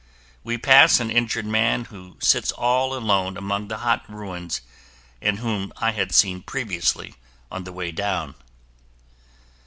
We pass an injured man who sits all alone among the hot ruins and whom I had seen previously on the way down.